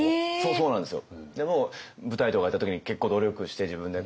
そうなんですよ。